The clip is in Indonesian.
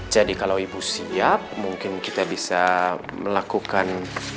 jadi kalau ibu siap mungkin kita bisa melakukan